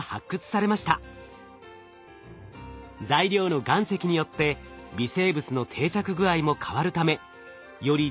材料の岩石によって微生物の定着具合も変わるためより